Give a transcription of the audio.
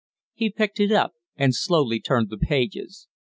He picked it up and slowly turned the pages.